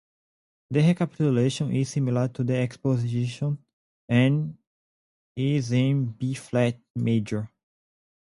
The recapitulation is similar to the exposition and is in B-flat major.